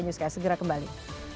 newscast segera kembali